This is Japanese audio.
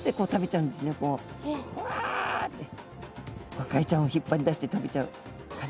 ゴカイちゃんを引っ張り出して食べちゃう感じです。